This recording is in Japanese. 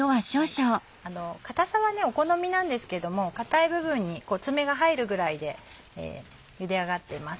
硬さはお好みなんですけども硬い部分に爪が入るぐらいでゆで上がってます。